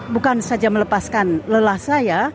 bukan saja melepaskan lelah saya